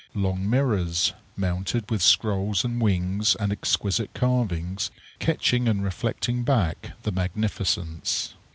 Long mirrors, mounted with scrolls and wings and exquisite carvings, catching and reflecting back the magnificence.